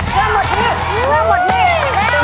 กะสุดกาลสู้สู้